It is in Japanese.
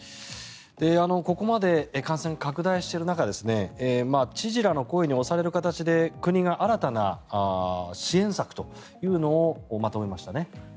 ここまで感染拡大している中知事らの声に押される形で国が新たな支援策というのをまとめましたね。